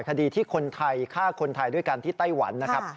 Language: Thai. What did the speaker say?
คดีที่คนไทยฆ่าคนไทยด้วยกันที่ไต้หวันนะครับ